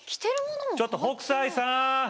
ちょっと北斎さん！